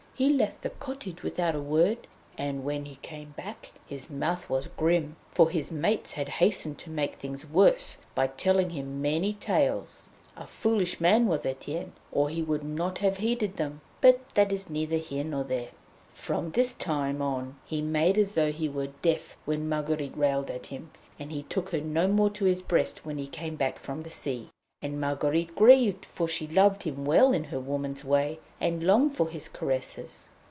He left the cottage without a word, and when he came back his mouth was grim, for his mates had hastened to make things worse by telling him many tales. A foolish man was Etienne, or he would not have heeded them; but that is neither here nor there. From this time on he made as though he were deaf when Marguerite railed at him, and he took her no more to his breast when he came back from the sea. And Marguerite grieved, for she loved him well in her woman's way, and longed for his caresses.